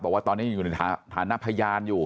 บอกว่าตอนนี้ยังอยู่ในฐานะพยานอยู่